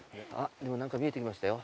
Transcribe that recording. でも何か見えてきましたよ。